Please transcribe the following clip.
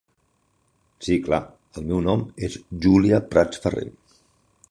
Sí clar, el meu nom és Júlia Prats Ferrer.